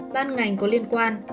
ban ngành có liên quan